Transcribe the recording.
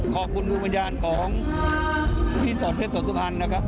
ขอบคุณดวงวิญญาณของพี่สอนเพชรสอนสุพรรณนะครับ